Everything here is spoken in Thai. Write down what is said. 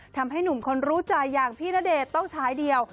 ทำให้หนุ่มคนรู้ใจอย่างพี่ณเดชน์ต้องฉายเดียว